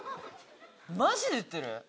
マジで言ってる⁉